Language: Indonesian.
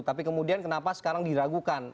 tapi kemudian kenapa sekarang diragukan